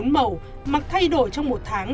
bốn màu mặc thay đổi trong một tháng